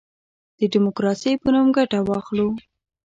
د ډیموکراسی په نوم ګټه واخلو.